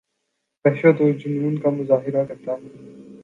وحشت اورجنون کا مظاہرہ کرتا ہوں